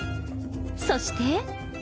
そして。